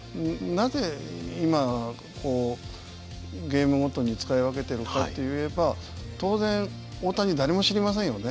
なぜ今ゲームごとに使い分けてるかっていえば当然大谷誰も知りませんよね。